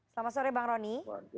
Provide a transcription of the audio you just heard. selamat sore bang roni